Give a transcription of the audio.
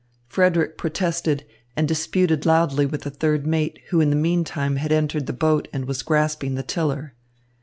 Frederick protested, and disputed loudly with the third mate, who in the meantime had entered the boat and was grasping the tiller.